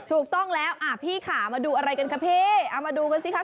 ถูกต้องแล้วพี่ค่ามาดูยังไงกัน